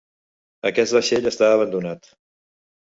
Aquest vaixell està abandonat.